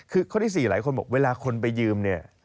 คือสี่หลายคนว่าเวลาคนไปยืม